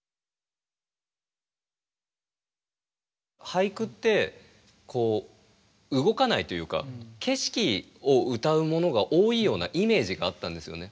俳句ってこう動かないというか景色を歌うものが多いようなイメージがあったんですよね。